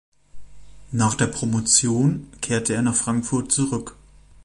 Nach der Promotion kehrte er nach Frankfurt zurück.